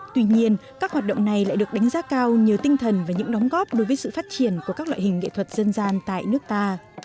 tuy nhiên các hoạt động này lại được đánh giá cao nhờ tinh thần và những đóng góp đối với sự phát triển của các loại hình nghệ thuật dân gian tại nước ta